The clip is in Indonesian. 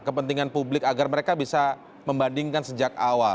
kepentingan publik agar mereka bisa membandingkan sejak awal